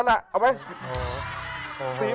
เอาไหม